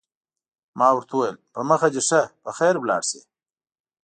ما ورته وویل: په مخه دې ښه، په خیر ولاړ شه.